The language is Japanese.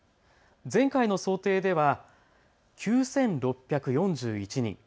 前回の想定では９６４１人。